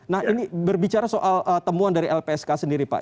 nah ini berbicara soal temuan dari lpsk sendiri pak